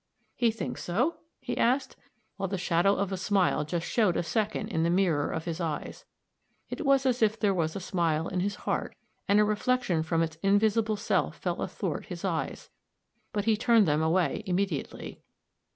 "He thinks so?" he asked, while the shadow of a smile just showed a second in the mirror of his eyes; it was as if there was a smile in his heart, and a reflection from its invisible self fell athwart his eyes; but he turned them away immediately.